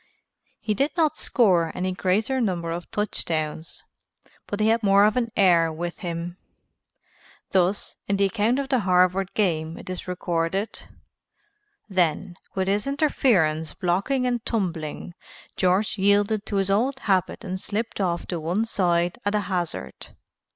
He did not score any greater number of touchdowns, but he had more of an air with him. Thus, in the account of the Harvard game it is recorded: "Then, with his interference blocked and tumbling, George yielded to his old habit and slipped off to one side at a hazard.